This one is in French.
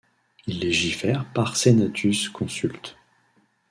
Il légifère par sénatus-consultes.